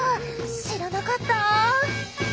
知らなかった！